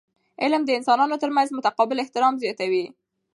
علم د انسانانو ترمنځ متقابل احترام زیاتوي.